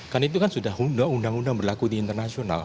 kan itu kan sudah undang undang berlaku di internasional